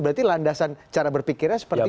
berarti landasan cara berpikirnya seperti apa